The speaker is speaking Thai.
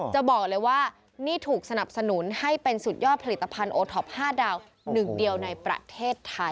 จะบอกเลยว่านี่ถูกสนับสนุนให้เป็นสุดยอดผลิตภัณฑ์โอท็อป๕ดาวหนึ่งเดียวในประเทศไทย